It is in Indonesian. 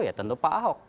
ya tentu pak ahok